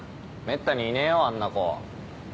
めったにいねえよあんな子。